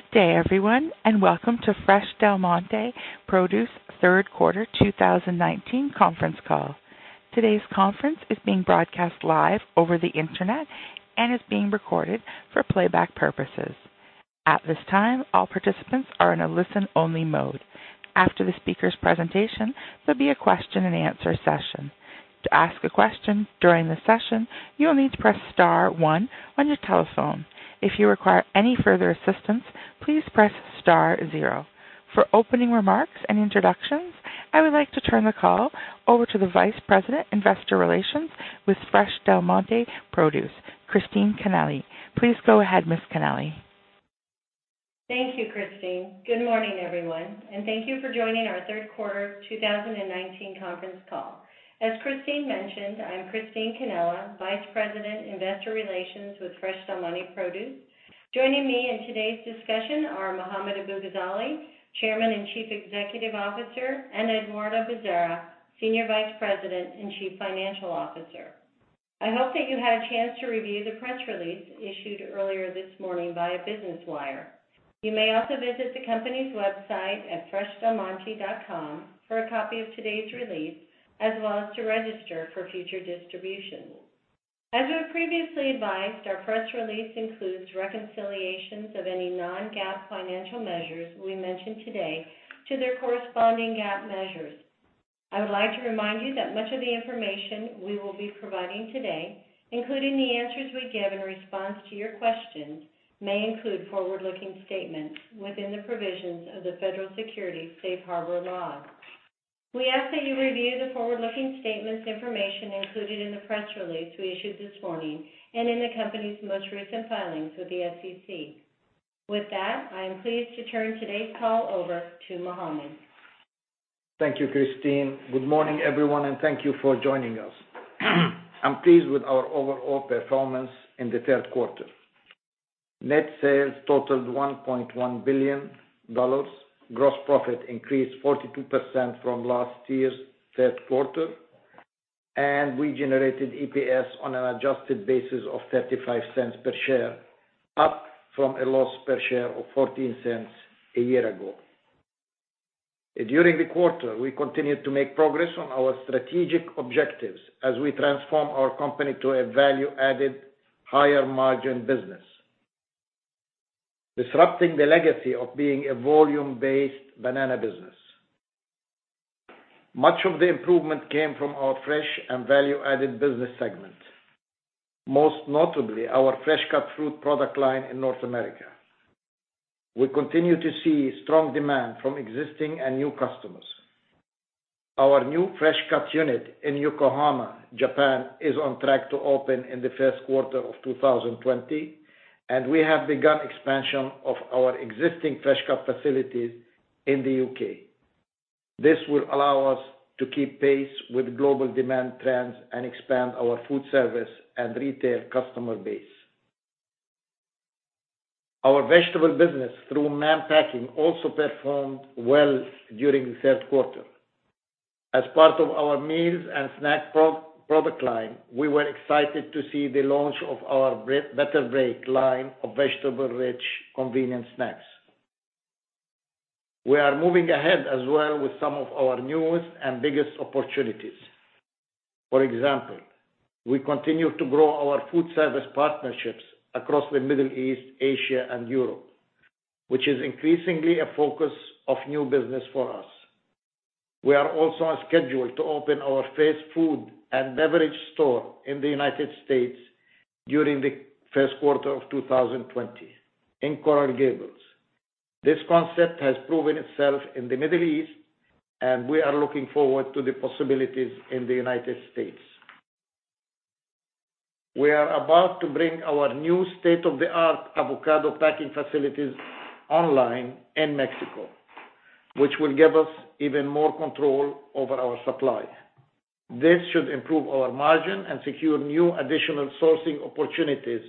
Good day, everyone, welcome to Fresh Del Monte Produce third quarter 2019 conference call. Today's conference is being broadcast live over the internet and is being recorded for playback purposes. At this time, all participants are in a listen-only mode. After the speaker's presentation, there'll be a question and answer session. To ask a question during the session, you'll need to press star one on your telephone. If you require any further assistance, please press star zero. For opening remarks and introductions, I would like to turn the call over to the Vice President, Investor Relations with Fresh Del Monte Produce, Christine Cannella. Please go ahead, Ms. Cannella. Thank you, Christine. Good morning, everyone, thank you for joining our third quarter 2019 conference call. As Christine mentioned, I'm Christine Cannella, Vice President, Investor Relations with Fresh Del Monte Produce. Joining me in today's discussion are Mohammad Abu-Ghazaleh, Chairman and Chief Executive Officer, and Eduardo Bezerra, Senior Vice President and Chief Financial Officer. I hope that you had a chance to review the press release issued earlier this morning via Business Wire. You may also visit the company's website at freshdelmonte.com for a copy of today's release, as well as to register for future distributions. As we have previously advised, our press release includes reconciliations of any non-GAAP financial measures we mention today to their corresponding GAAP measures. I would like to remind you that much of the information we will be providing today, including the answers we give in response to your questions, may include forward-looking statements within the provisions of the Federal Securities safe harbor laws. We ask that you review the forward-looking statements information included in the press release we issued this morning, and in the company's most recent filings with the SEC. With that, I am pleased to turn today's call over to Mohammad. Thank you, Christine. Good morning, everyone, and thank you for joining us. I'm pleased with our overall performance in the third quarter. Net sales totaled $1.1 billion, gross profit increased 42% from last year's third quarter, and we generated EPS on an adjusted basis of $0.35 per share, up from a loss per share of $0.14 a year ago. During the quarter, we continued to make progress on our strategic objectives as we transform our company to a value-added, higher margin business, disrupting the legacy of being a volume-based banana business. Much of the improvement came from our fresh and value-added business segment, most notably our fresh cut fruit product line in North America. We continue to see strong demand from existing and new customers. Our new fresh cut unit in Yokohama, Japan, is on track to open in the first quarter of 2020, and we have begun expansion of our existing fresh cut facilities in the U.K. This will allow us to keep pace with global demand trends and expand our food service and retail customer base. Our vegetable business through Mann Packing also performed well during the third quarter. As part of our meals and snack product line, we were excited to see the launch of our Better Break line of vegetable-rich convenient snacks. We are moving ahead as well with some of our newest and biggest opportunities. For example, we continue to grow our food service partnerships across the Middle East, Asia, and Europe, which is increasingly a focus of new business for us. We are also on schedule to open our first food and beverage store in the United States during the first quarter of 2020 in Coral Gables. This concept has proven itself in the Middle East, and we are looking forward to the possibilities in the United States. We are about to bring our new state-of-the-art avocado packing facilities online in Mexico, which will give us even more control over our supply. This should improve our margin and secure new additional sourcing opportunities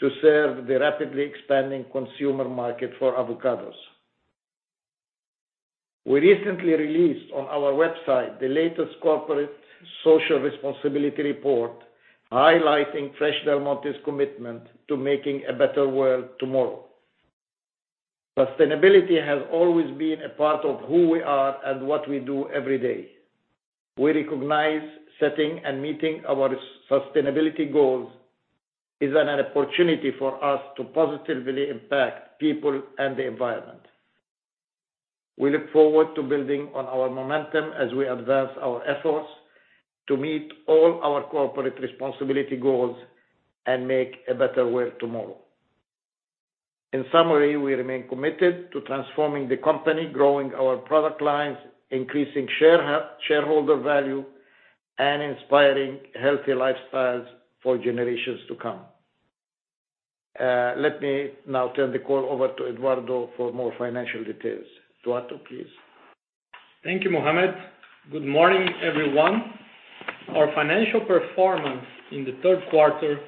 to serve the rapidly expanding consumer market for avocados. We recently released on our website the latest corporate social responsibility report highlighting Fresh Del Monte's commitment to making a better world tomorrow. Sustainability has always been a part of who we are and what we do every day. We recognize setting and meeting our sustainability goals is an opportunity for us to positively impact people and the environment. We look forward to building on our momentum as we advance our efforts to meet all our corporate responsibility goals and make a better world tomorrow. In summary, we remain committed to transforming the company, growing our product lines, increasing shareholder value, and inspiring healthy lifestyles for generations to come. Let me now turn the call over to Eduardo for more financial details. Eduardo, please. Thank you, Mohammad. Good morning, everyone. Our financial performance in the third quarter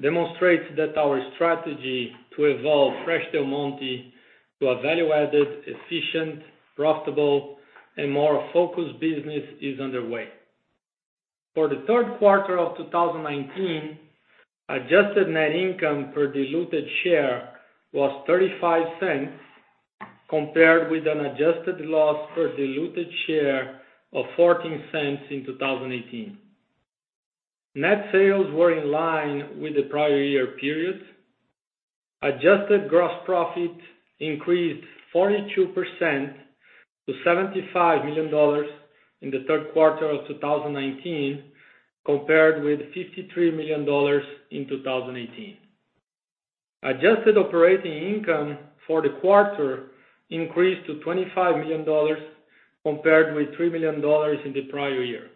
demonstrates that our strategy to evolve Fresh Del Monte to a value-added, efficient, profitable, and more focused business is underway. For the third quarter of 2019, adjusted net income per diluted share was $0.35, compared with an adjusted loss per diluted share of $0.14 in 2018. Net sales were in line with the prior year period. Adjusted gross profit increased 42% to $75 million in the third quarter of 2019, compared with $53 million in 2018. Adjusted operating income for the quarter increased to $25 million, compared with $3 million in the prior year.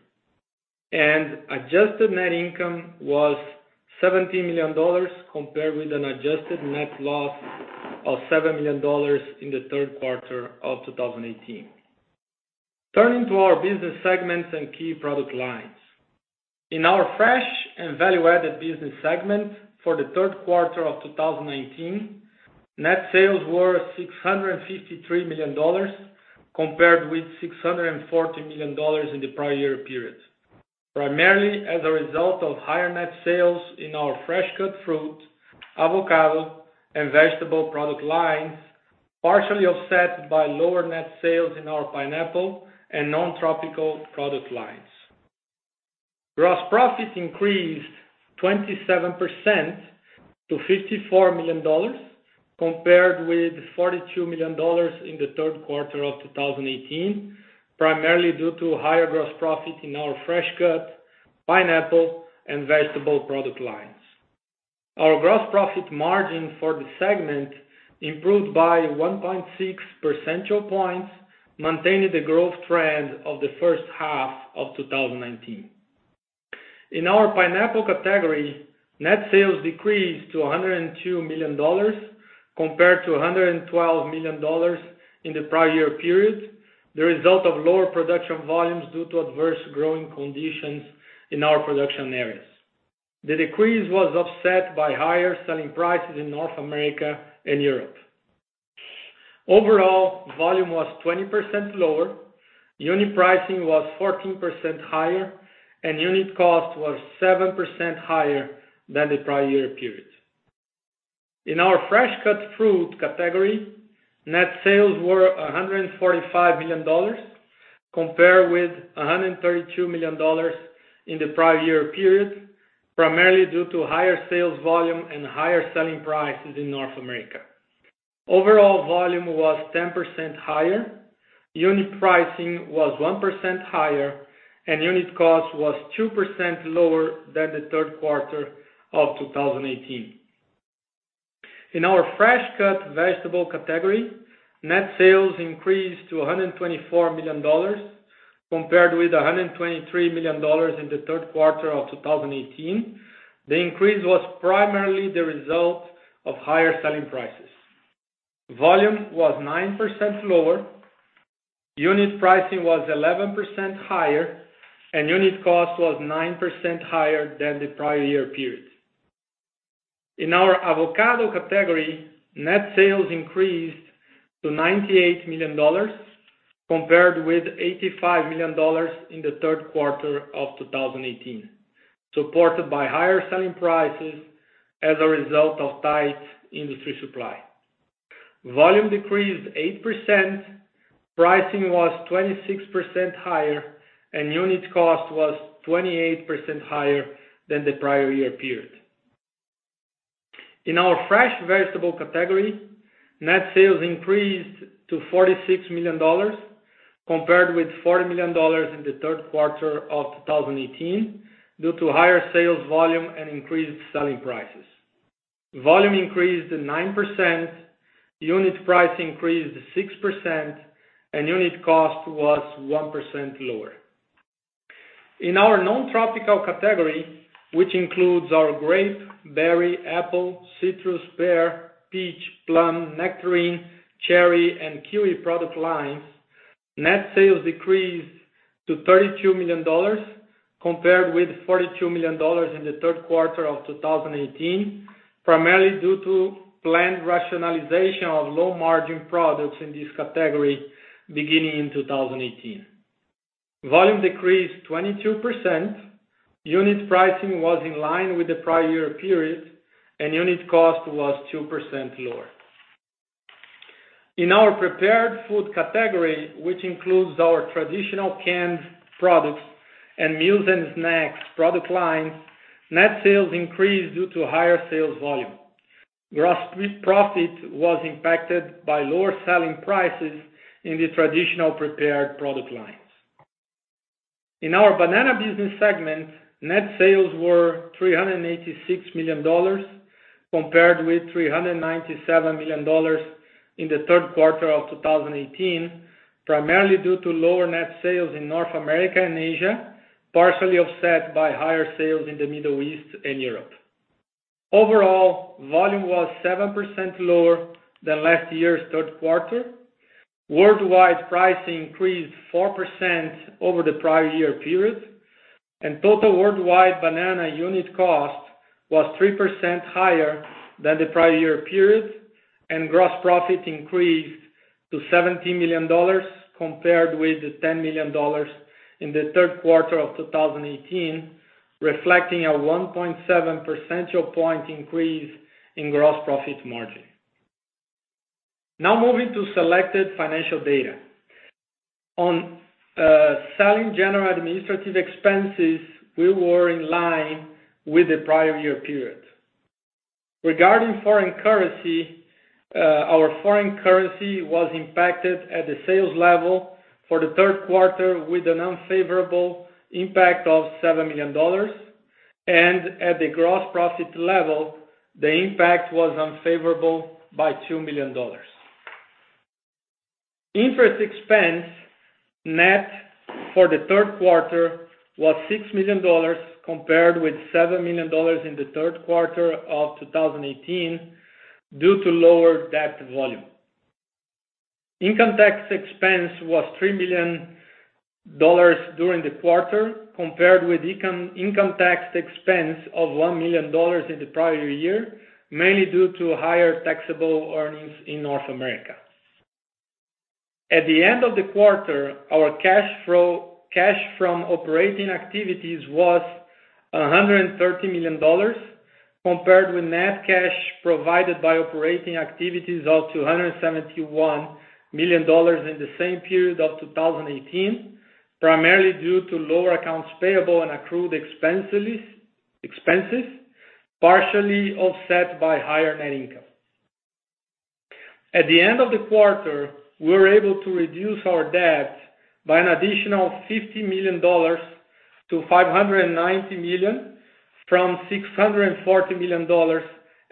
Adjusted net income was $17 million, compared with an adjusted net loss of $7 million in the third quarter of 2018. Turning to our business segments and key product lines. In our fresh and value-added business segment for the third quarter of 2019, net sales were $653 million, compared with $640 million in the prior year period. Primarily, as a result of higher net sales in our fresh cut fruit, avocado, and vegetable product lines, partially offset by lower net sales in our pineapple and non-tropical product lines. Gross profit increased 27% to $54 million, compared with $42 million in the third quarter of 2018, primarily due to higher gross profit in our fresh cut, pineapple, and vegetable product lines. Our gross profit margin for the segment improved by 1.6 percentile points, maintaining the growth trend of the first half of 2019. In our pineapple category, net sales decreased to $102 million compared to $112 million in the prior year period, the result of lower production volumes due to adverse growing conditions in our production areas. The decrease was offset by higher selling prices in North America and Europe. Overall, volume was 20% lower, unit pricing was 14% higher, and unit cost was 7% higher than the prior year period. In our fresh cut fruit category, net sales were $145 million, compared with $132 million in the prior year period, primarily due to higher sales volume and higher selling prices in North America. Overall volume was 10% higher, unit pricing was 1% higher, and unit cost was 2% lower than the third quarter of 2018. In our fresh cut vegetable category, net sales increased to $124 million, compared with $123 million in the third quarter of 2018. The increase was primarily the result of higher selling prices. Volume was 9% lower, unit pricing was 11% higher, and unit cost was 9% higher than the prior year period. In our avocado category, net sales increased to $98 million, compared with $85 million in the third quarter of 2018, supported by higher selling prices as a result of tight industry supply. Volume decreased 8%, pricing was 26% higher, and unit cost was 28% higher than the prior year period. In our fresh vegetable category, net sales increased to $46 million, compared with $40 million in the third quarter of 2018, due to higher sales volume and increased selling prices. Volume increased 9%, unit price increased 6%, and unit cost was 1% lower. In our non-tropical category, which includes our grape, berry, apple, citrus, pear, peach, plum, nectarine, cherry, and kiwi product lines, net sales decreased to $32 million, compared with $42 million in the third quarter of 2018, primarily due to planned rationalization of low-margin products in this category beginning in 2018. Volume decreased 22%, unit pricing was in line with the prior year period, and unit cost was 2% lower. In our prepared food category, which includes our traditional canned products and meals and snacks product lines, net sales increased due to higher sales volume. Gross profit was impacted by lower selling prices in the traditional prepared product lines. In our banana business segment, net sales were $386 million, compared with $397 million in the third quarter of 2018, primarily due to lower net sales in North America and Asia, partially offset by higher sales in the Middle East and Europe. Overall, volume was 7% lower than last year's third quarter. Worldwide pricing increased 4% over the prior year period. Total worldwide banana unit cost was 3% higher than the prior year period. Gross profit increased to $17 million compared with the $10 million in the third quarter of 2018, reflecting a 1.7 percentage point increase in gross profit margin. Now moving to selected financial data. On selling, general and administrative expenses, we were in line with the prior year period. Regarding foreign currency, our foreign currency was impacted at the sales level for the third quarter with an unfavorable impact of $7 million. At the gross profit level, the impact was unfavorable by $2 million. Interest expense net for the third quarter was $6 million, compared with $7 million in the third quarter of 2018, due to lower debt volume. Income tax expense was $3 million during the quarter, compared with income tax expense of $1 million in the prior year, mainly due to higher taxable earnings in North America. At the end of the quarter, our cash from operating activities was $130 million, compared with net cash provided by operating activities of $271 million in the same period of 2018. Primarily due to lower accounts payable and accrued expenses, partially offset by higher net income. At the end of the quarter, we were able to reduce our debt by an additional $50 million to $590 million from $640 million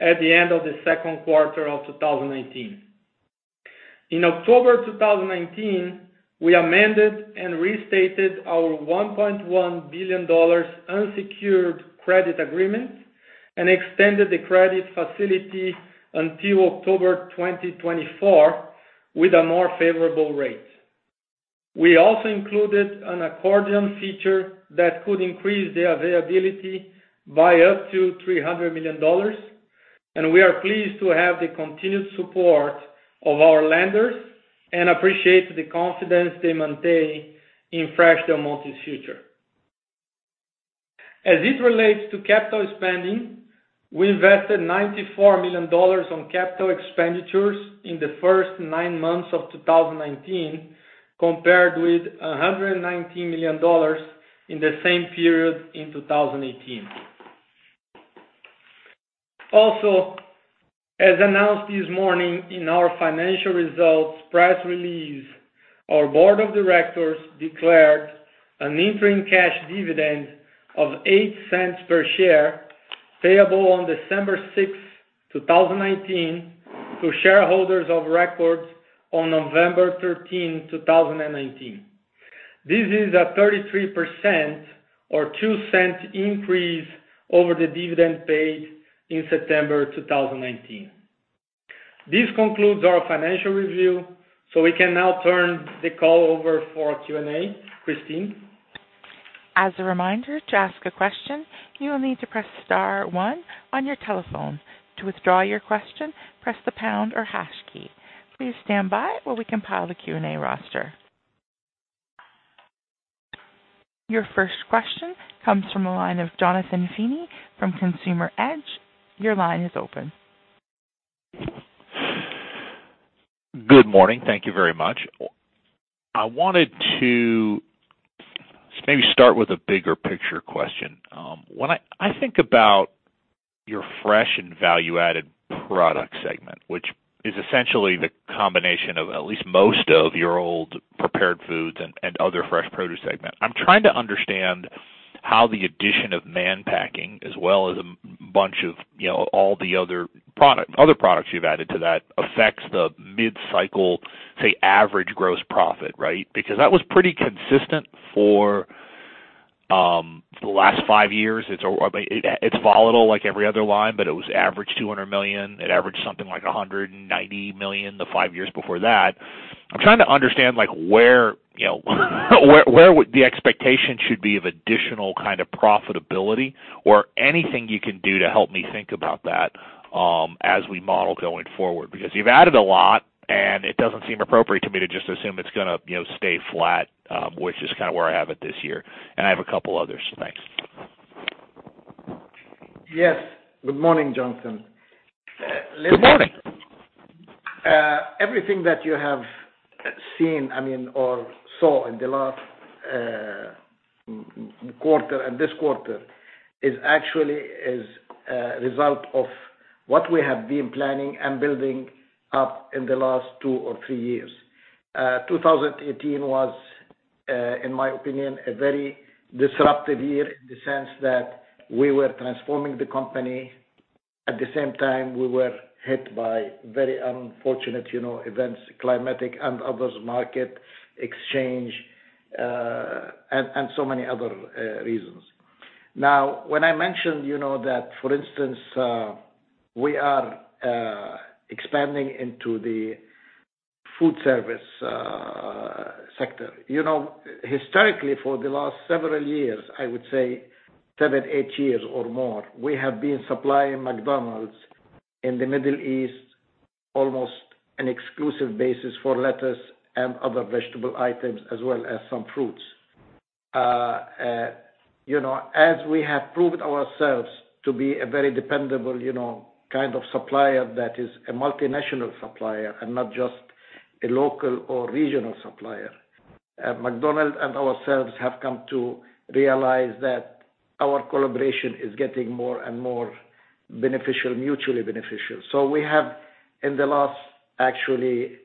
at the end of the second quarter of 2019. In October 2019, we amended and restated our $1.1 billion unsecured credit agreement and extended the credit facility until October 2024 with a more favorable rate. We also included an accordion feature that could increase the availability by up to $300 million, and we are pleased to have the continued support of our lenders and appreciate the confidence they maintain in Fresh Del Monte's future. As it relates to capital spending, we invested $94 million on capital expenditures in the first nine months of 2019, compared with $119 million in the same period in 2018. As announced this morning in our financial results press release, our board of directors declared an interim cash dividend of $0.08 per share, payable on December 6, 2019, to shareholders of records on November 13, 2019. This is a 33% or $0.02 increase over the dividend paid in September 2019. This concludes our financial review. We can now turn the call over for Q&A. Christine? As a reminder, to ask a question, you will need to press star one on your telephone. To withdraw your question, press the pound or hash key. Please stand by while we compile the Q&A roster. Your first question comes from the line of Jonathan Feeney from Consumer Edge. Your line is open. Good morning. Thank you very much. I wanted to maybe start with a bigger picture question. When I think about your fresh and value-added product segment, which is essentially the combination of at least most of your old prepared foods and other fresh produce segment. I'm trying to understand how the addition of Mann Packing as well as a bunch of all the other products you've added to that affects the mid-cycle, say, average gross profit, right? Because that was pretty consistent for the last five years. It's volatile like every other line, but it was average $200 million. It averaged something like $190 million the five years before that. I'm trying to understand where the expectation should be of additional profitability or anything you can do to help me think about that, as we model going forward. You've added a lot, and it doesn't seem appropriate to me to just assume it's going to stay flat, which is kind of where I have it this year. I have a couple of others. Thanks. Yes. Good morning, Jonathan. Good morning. Everything that you have seen, or saw in the last quarter and this quarter is actually as a result of what we have been planning and building up in the last two or three years. 2018 was, in my opinion, a very disruptive year in the sense that we were transforming the company. At the same time, we were hit by very unfortunate events, climatic and others, market exchange, and so many other reasons. Now, when I mentioned that, for instance, we are expanding into the food service sector. Historically for the last several years, I would say seven, eight years or more, we have been supplying McDonald's in the Middle East, almost an exclusive basis for lettuce and other vegetable items, as well as some fruits. As we have proved ourselves to be a very dependable kind of supplier that is a multinational supplier and not just a local or regional supplier. McDonald's and ourselves have come to realize that our collaboration is getting more and more mutually beneficial. We have in the last actually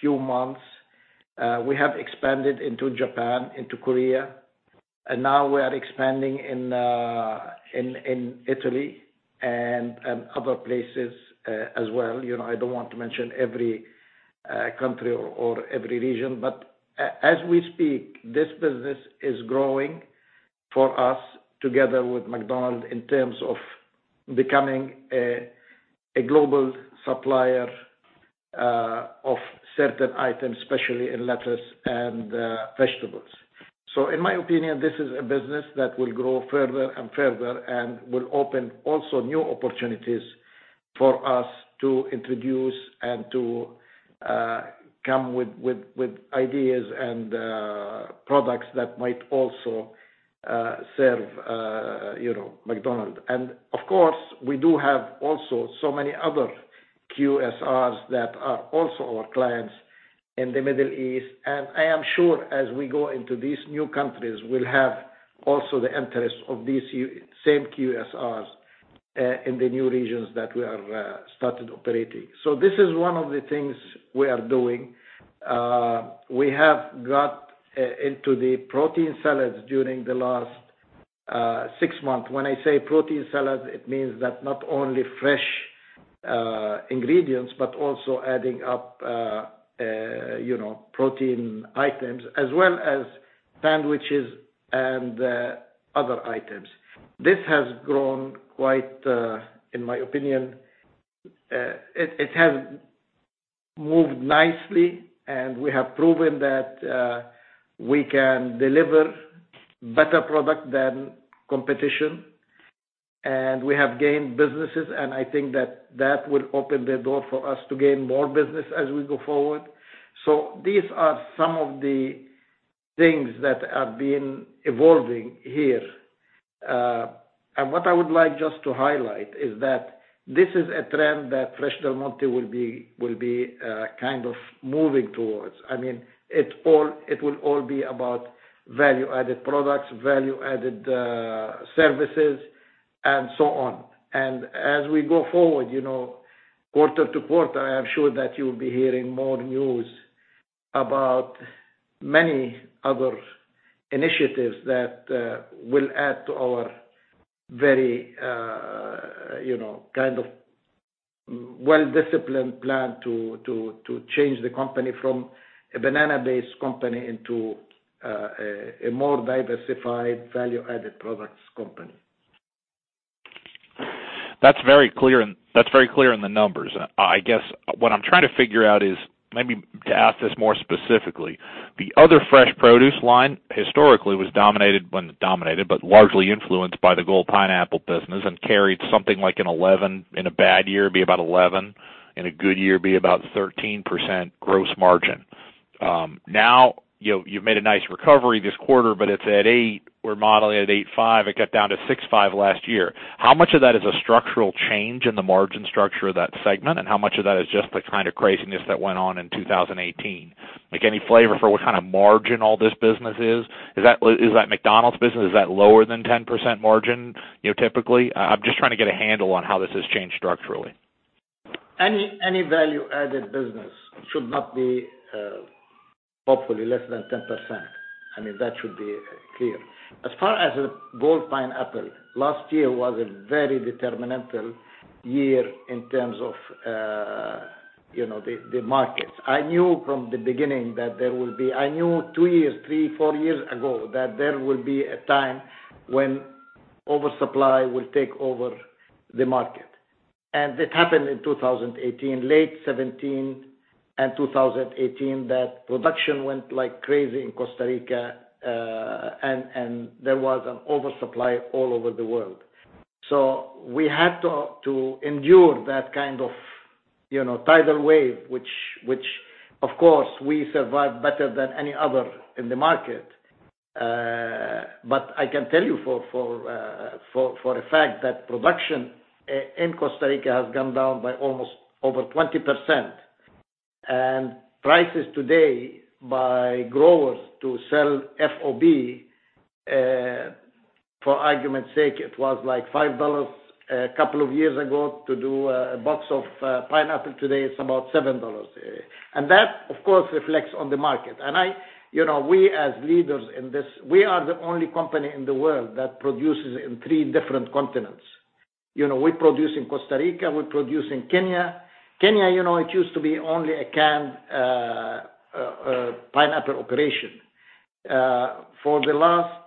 few months, we have expanded into Japan, into Korea, and now we are expanding in Italy and other places as well. I don't want to mention every country or every region, but as we speak, this business is growing for us together with McDonald's in terms of becoming a global supplier of certain items, especially in lettuce and vegetables. In my opinion, this is a business that will grow further and further and will open also new opportunities for us to introduce and to come with ideas and products that might also serve McDonald's. Of course, we do have also so many other QSRs that are also our clients in the Middle East. I am sure as we go into these new countries, we'll have also the interest of these same QSRs in the new regions that we have started operating. This is one of the things we are doing. We have got into the protein salads during the last six months. When I say protein salads, it means that not only fresh ingredients, but also adding up protein items as well as sandwiches and other items. This has grown quite, in my opinion it has moved nicely and we have proven that we can deliver better product than competition, and we have gained businesses, and I think that will open the door for us to gain more business as we go forward. These are some of the things that are being evolving here. What I would like just to highlight is that this is a trend that Fresh Del Monte will be kind of moving towards. It will all be about value-added products, value-added services, and so on. As we go forward, quarter to quarter, I am sure that you'll be hearing more news about many other initiatives that will add to our very kind of well-disciplined plan to change the company from a banana-based company into a more diversified value-added products company. That's very clear in the numbers. I guess what I'm trying to figure out is, maybe to ask this more specifically, the other fresh produce line historically was dominated, well not dominated, but largely influenced by the Gold pineapple business and carried something like an 11 in a bad year, it'd be about 11, in a good year, it'd be about 13% gross margin. You've made a nice recovery this quarter, but it's at 8%. We're modeling it at 8.5%. It got down to 6.5% last year. How much of that is a structural change in the margin structure of that segment, and how much of that is just the kind of craziness that went on in 2018? Like any flavor for what kind of margin all this business is? Is that McDonald's business, is that lower than 10% margin typically? I'm just trying to get a handle on how this has changed structurally. Any value-added business should not be, hopefully, less than 10%. I mean, that should be clear. As far as the Gold pineapple, last year was a very detrimental year in terms of the markets. I knew from the beginning that I knew two years, three, four years ago that there will be a time when oversupply will take over the market. It happened in 2018, late 2017 and 2018, that production went like crazy in Costa Rica, and there was an oversupply all over the world. We had to endure that kind of tidal wave, which of course, we survived better than any other in the market. I can tell you for a fact that production in Costa Rica has gone down by almost over 20%. Prices today by growers to sell FOB, for argument's sake, it was like $5 a couple of years ago to do a box of pineapple. Today, it's about $7. That, of course, reflects on the market. We as leaders in this, we are the only company in the world that produces in three different continents. We produce in Costa Rica, we produce in Kenya. Kenya, it used to be only a canned pineapple operation. For the last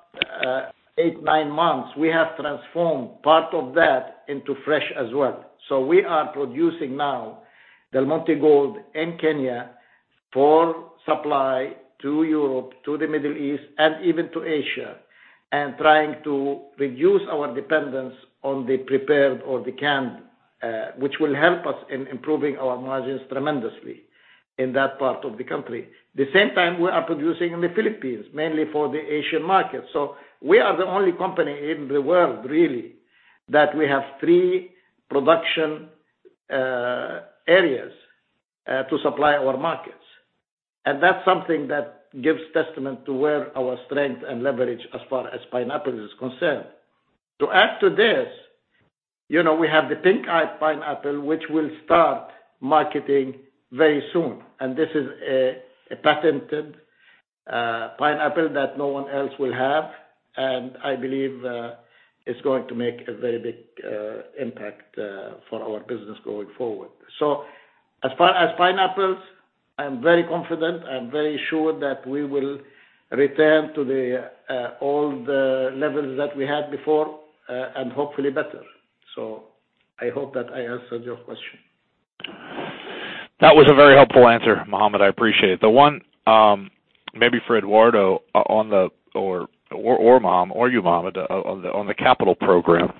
eight, nine months, we have transformed part of that into fresh as well. We are producing now Del Monte Gold in Kenya for supply to Europe, to the Middle East, and even to Asia, and trying to reduce our dependence on the prepared or the canned, which will help us in improving our margins tremendously in that part of the country. The same time, we are producing in the Philippines, mainly for the Asian market. We are the only company in the world really that we have three production areas to supply our markets. That's something that gives testament to where our strength and leverage as far as pineapple is concerned. To add to this, we have the Pinkglow pineapple, which we'll start marketing very soon, and this is a patented pineapple that no one else will have, and I believe it's going to make a very big impact for our business going forward. As far as pineapples, I am very confident, I am very sure that we will return to the old levels that we had before, and hopefully better. I hope that I answered your question. That was a very helpful answer, Mohammad. I appreciate it. The one, maybe for Eduardo, or you, Mohammad, on the capital program,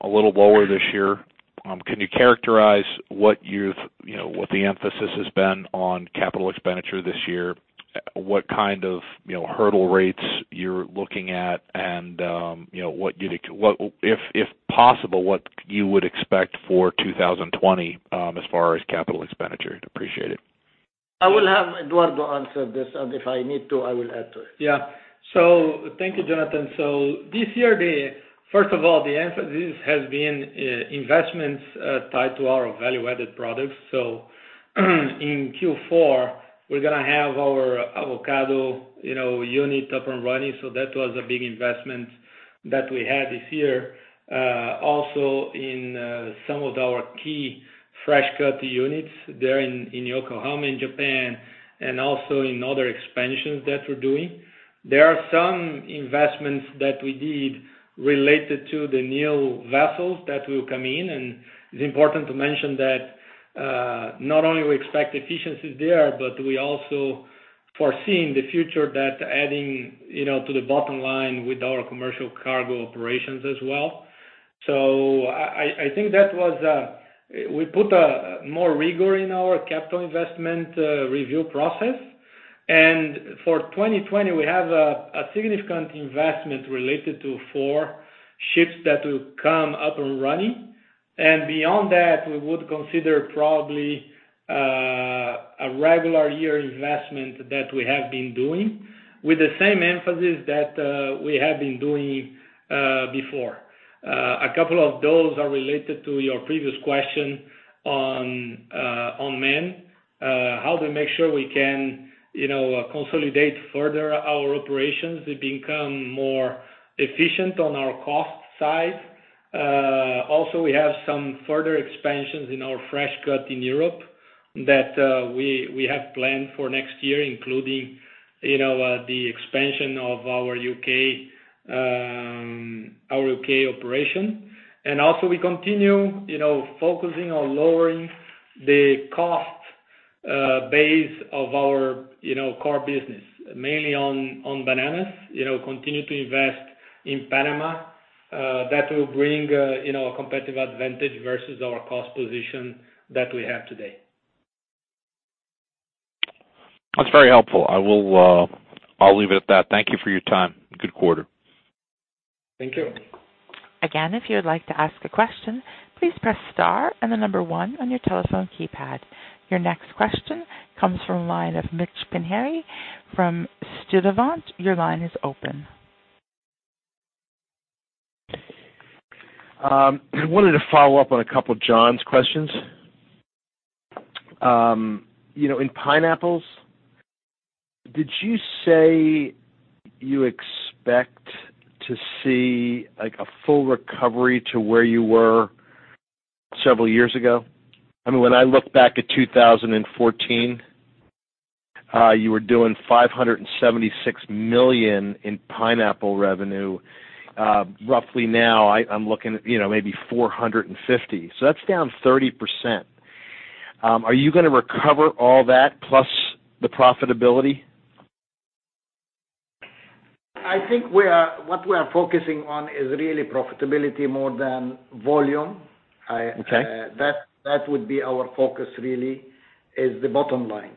a little lower this year. Can you characterize what the emphasis has been on capital expenditure this year? What kind of hurdle rates you're looking at, and if possible, what you would expect for 2020, as far as capital expenditure? Appreciate it. I will have Eduardo answer this, and if I need to, I will add to it. Thank you, Jonathan. This year, first of all, the emphasis has been investments tied to our value-added products. In Q4, we're going to have our avocado unit up and running, that was a big investment that we had this year. Also, in some of our key fresh cut units there in Yokohama in Japan, also in other expansions that we're doing. There are some investments that we did related to the new vessels that will come in, it's important to mention that, not only we expect efficiencies there, we also foreseeing the future that adding to the bottom line with our commercial cargo operations as well. I think we put more rigor in our capital investment review process. For 2020, we have a significant investment related to four ships that will come up and running. Beyond that, we would consider probably a regular year investment that we have been doing with the same emphasis that we have been doing before. A couple of those are related to your previous question on Mann, how to make sure we can consolidate further our operations to become more efficient on our cost side. We have some further expansions in our fresh cut in Europe that we have planned for next year, including the expansion of our U.K. operation. We continue focusing on lowering the cost base of our core business, mainly on bananas. We continue to invest in Panama that will bring a competitive advantage versus our cost position that we have today. That's very helpful. I'll leave it at that. Thank you for your time. Good quarter. Thank you. Again, if you would like to ask a question, please press star and the number 1 on your telephone keypad. Your next question comes from line of Mitch Pinheiro from Sturdivant. Your line is open. I wanted to follow up on a couple of John's questions. In pineapples, did you say you expect to see a full recovery to where you were several years ago? When I look back at 2014, you were doing $576 million in pineapple revenue. Roughly now, I'm looking at maybe $450 million. That's down 30%. Are you going to recover all that plus the profitability? I think what we are focusing on is really profitability more than volume. Okay. That would be our focus really, is the bottom line.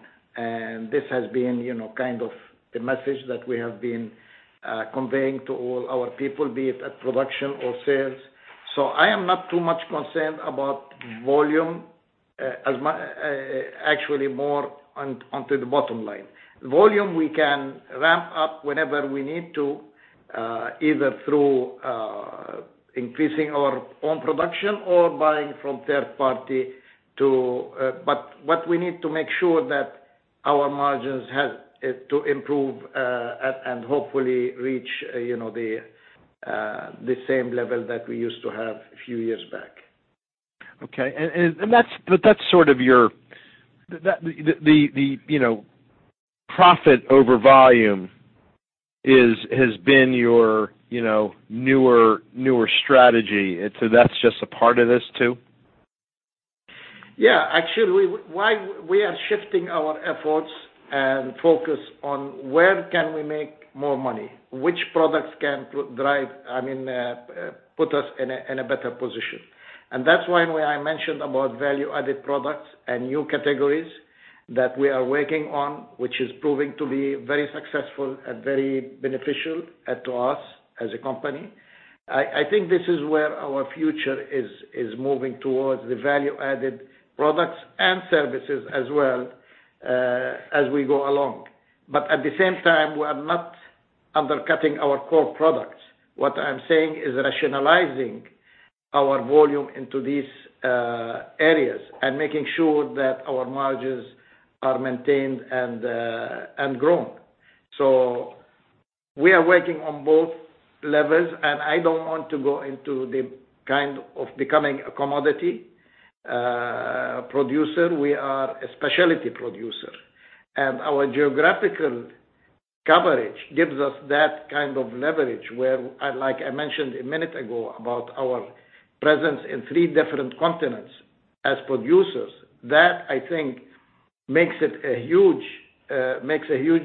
This has been kind of the message that we have been conveying to all our people, be it at production or sales. I am not too much concerned about volume, actually more onto the bottom line. Volume we can ramp up whenever we need to, either through increasing our own production or buying from third party. What we need to make sure that our margins has to improve, and hopefully reach the same level that we used to have a few years back. Okay. That's sort of the profit over volume has been your newer strategy. That's just a part of this, too? Yeah. Actually, why we are shifting our efforts and focus on where can we make more money, which products can put us in a better position. That's why when I mentioned about value-added products and new categories that we are working on, which is proving to be very successful and very beneficial to us as a company. I think this is where our future is moving towards the value-added products and services as well, as we go along. At the same time, we are not undercutting our core products. What I'm saying is rationalizing our volume into these areas and making sure that our margins are maintained and grown. We are working on both levels, and I don't want to go into the kind of becoming a commodity producer. We are a specialty producer. Our geographical coverage gives us that kind of leverage where, like I mentioned a minute ago, about our presence in three different continents as producers. That, I think, makes a huge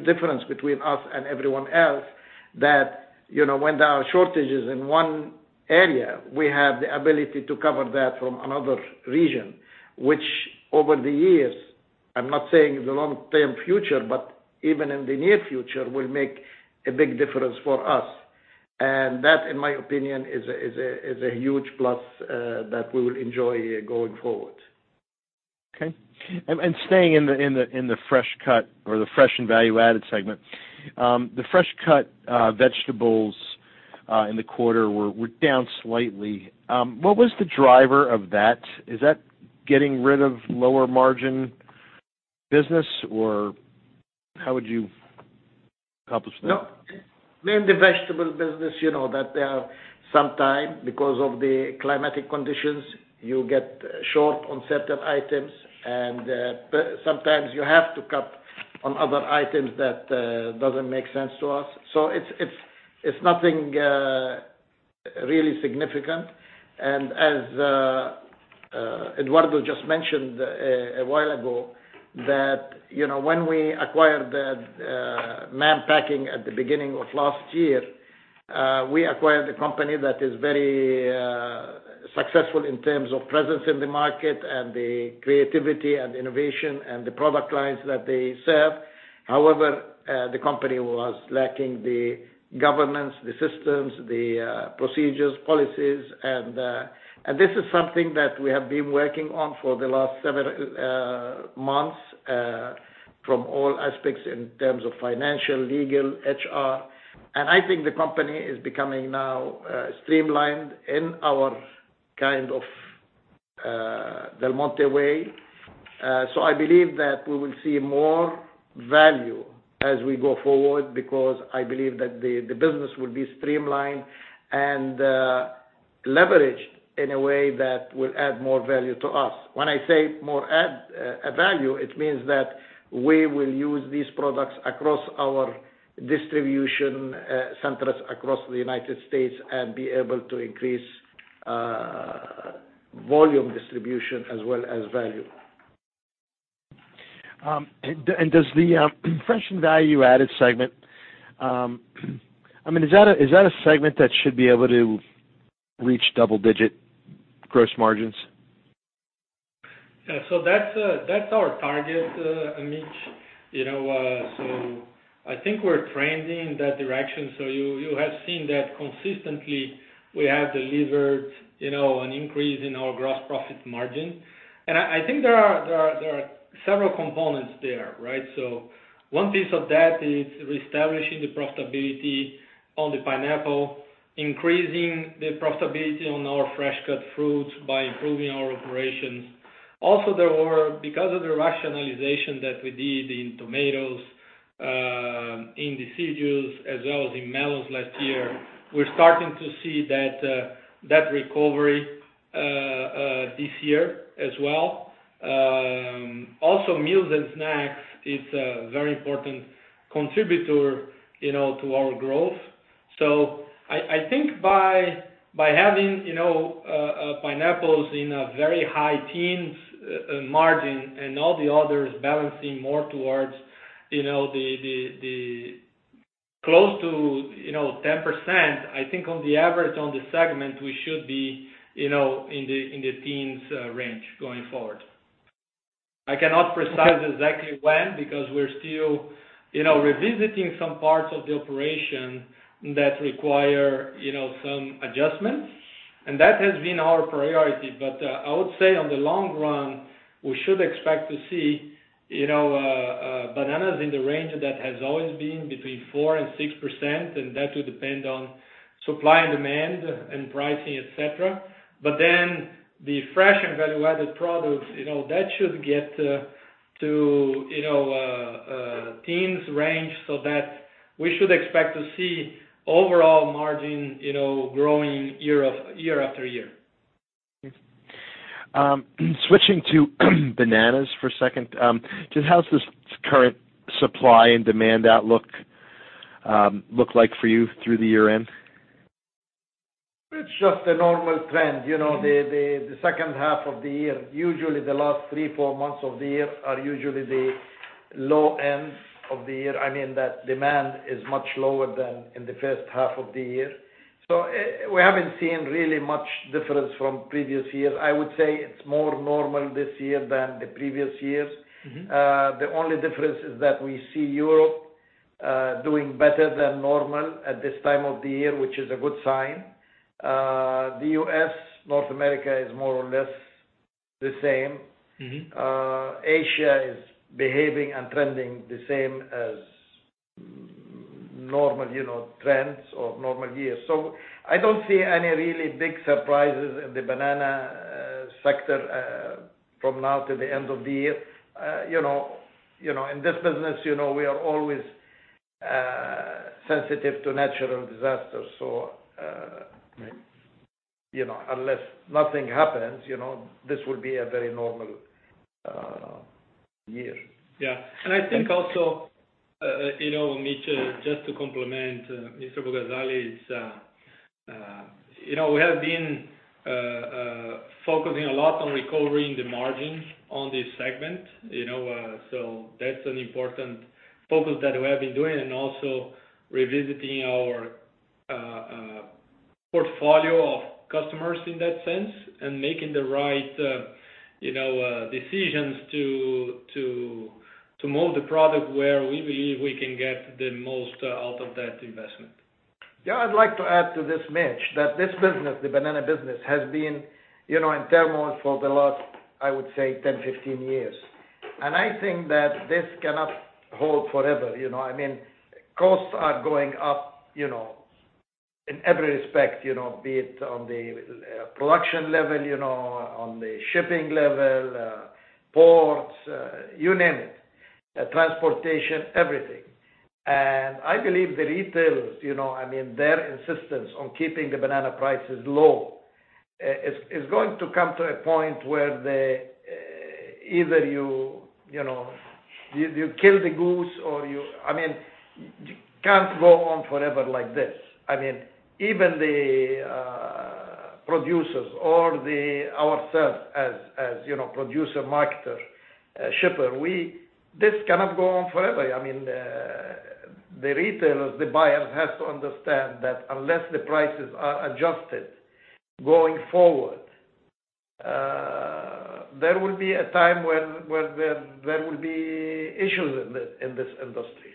difference between us and everyone else, that when there are shortages in one area, we have the ability to cover that from another region. Which over the years, I'm not saying the long-term future, but even in the near future, will make a big difference for us. That, in my opinion, is a huge plus that we will enjoy going forward. Okay. Staying in the fresh cut or the fresh and value-added segment. The fresh cut vegetables in the quarter were down slightly. What was the driver of that? Is that getting rid of lower-margin business or how would you accomplish that? No. In the vegetable business, you know that there are some time, because of the climatic conditions, you get short on certain items, and sometimes you have to cut on other items that doesn't make sense to us. It's nothing really significant. As Eduardo just mentioned a while ago, that when we acquired the Mann Packing at the beginning of last year, we acquired a company that is very successful in terms of presence in the market and the creativity and innovation and the product lines that they serve. However, the company was lacking the governance, the systems, the procedures, policies. This is something that we have been working on for the last several months, from all aspects in terms of financial, legal, HR. I think the company is becoming now streamlined in our kind of Del Monte way. I believe that we will see more value as we go forward because I believe that the business will be streamlined and leveraged in a way that will add more value to us. When I say more add value, it means that we will use these products across our distribution centers across the United States and be able to increase volume distribution as well as value. Is that a segment that should be able to reach double-digit gross margins? That's our target, Mitch. I think we're trending in that direction. You have seen that consistently, we have delivered an increase in our gross profit margin. I think there are several components there, right? One piece of that is reestablishing the profitability on the pineapple, increasing the profitability on our fresh-cut fruits by improving our operations. Also, because of the rationalization that we did in tomatoes, in the cereals, as well as in melons last year, we're starting to see that recovery this year as well. Also meals and snacks is a very important contributor to our growth. I think by having pineapples in a very high teens margin and all the others balancing more towards close to 10%, I think on the average on the segment, we should be in the teens range going forward. I cannot precise exactly when, because we're still revisiting some parts of the operation that require some adjustments, and that has been our priority. I would say on the long run, we should expect to see bananas in the range that has always been between 4% and 6%, and that will depend on supply and demand and pricing, et cetera. The fresh and value-added products, that should get to- teens range We should expect to see overall margin growing year after year. Okay. Switching to bananas for a second. Just how's this current supply and demand outlook look like for you through the year-end? It's just a normal trend. The second half of the year, usually the last three, four months of the year are usually the low ends of the year. I mean that demand is much lower than in the first half of the year. We haven't seen really much difference from previous years. I would say it's more normal this year than the previous years. The only difference is that we see Europe doing better than normal at this time of the year, which is a good sign. The U.S., North America is more or less the same. Asia is behaving and trending the same as normal trends or normal years. I don't see any really big surprises in the banana sector from now to the end of the year. In this business, we are always sensitive to natural disasters. Right unless nothing happens, this will be a very normal year. Yeah. I think also, Mitch, just to complement Mr. Abu-Ghazaleh, is we have been focusing a lot on recovering the margins on this segment. That's an important focus that we have been doing and also revisiting our portfolio of customers in that sense and making the right decisions to move the product where we believe we can get the most out of that investment. Yeah, I'd like to add to this, Mitch, that this business, the banana business, has been in turmoil for the last, I would say, 10, 15 years. I think that this cannot hold forever. Costs are going up in every respect, be it on the production level, on the shipping level, ports, you name it, transportation, everything. I believe the retailers, their insistence on keeping the banana prices low, is going to come to a point where either you kill the goose or It can't go on forever like this. Even the producers or ourselves as producer, marketer, shipper, this cannot go on forever. The retailers, the buyers have to understand that unless the prices are adjusted going forward, there will be a time where there will be issues in this industry.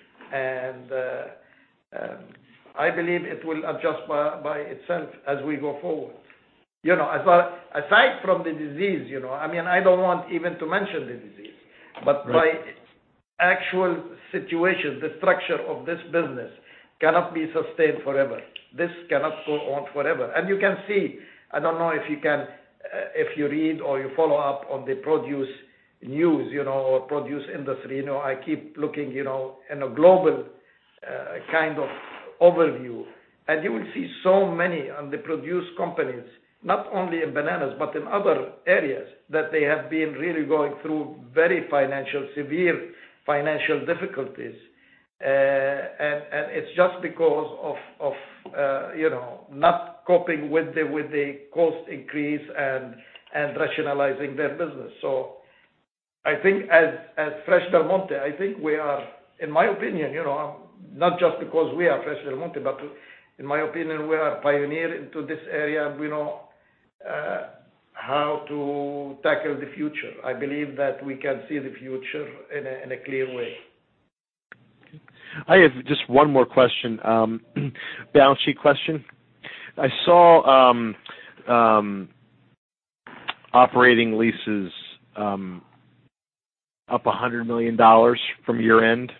I believe it will adjust by itself as we go forward. Aside from the disease, I don't want even to mention the disease. By actual situation, the structure of this business cannot be sustained forever. This cannot go on forever. You can see, I don't know if you read or you follow up on the produce news, or produce industry. I keep looking in a global kind of overview. You will see so many of the produce companies, not only in bananas but in other areas, that they have been really going through very severe financial difficulties. It's just because of not coping with the cost increase and rationalizing their business. I think as Fresh Del Monte, in my opinion, not just because we are Fresh Del Monte, but in my opinion, we are a pioneer into this area. We know how to tackle the future. I believe that we can see the future in a clear way. I have just one more question, balance sheet question. I saw operating leases up $100 million from year-end.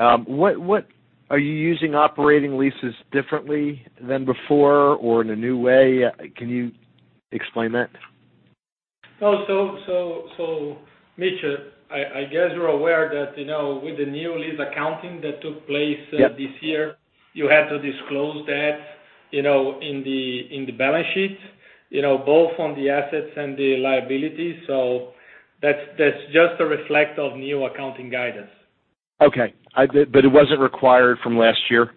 Are you using operating leases differently than before or in a new way? Can you explain that? Mitch, I guess you're aware that, with the new lease accounting that took place. Yeah This year, you had to disclose that in the balance sheet. Both on the assets and the liabilities. That's just a reflection of new accounting guidance. Okay. It wasn't required from last year?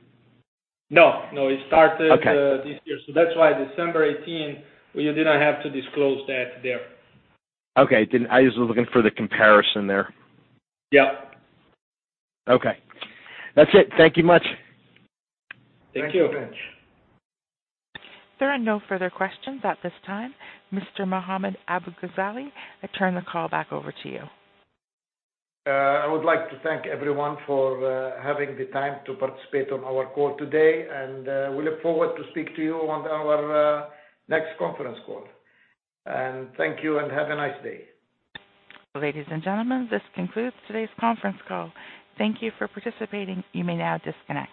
No. Okay this year. That's why December 18, we did not have to disclose that there. Okay. I just was looking for the comparison there. Yeah. Okay. That's it. Thank you much. Thank you. Thank you, Mitch. There are no further questions at this time. Mr. Mohammad Abu-Ghazaleh, I turn the call back over to you. I would like to thank everyone for having the time to participate on our call today, and we look forward to speak to you on our next conference call. Thank you and have a nice day. Ladies and gentlemen, this concludes today's conference call. Thank you for participating. You may now disconnect.